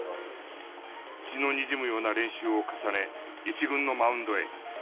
血のにじむような練習を重ね１軍のマウンドへ。